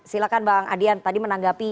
silahkan bang adian tadi menanggapi